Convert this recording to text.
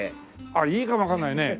あっいいかもわかんないね。